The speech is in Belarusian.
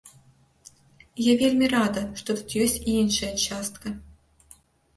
І я вельмі рада, што тут ёсць і іншая частка.